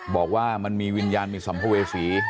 บอกว่ามันมีวิญญาณมีสัมภเวษี